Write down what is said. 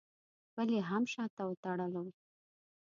بل یې هم شاته وتړلو.